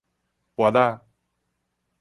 菝仔